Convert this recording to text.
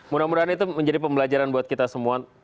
mudah mudahan itu menjadi pembelajaran buat kita semua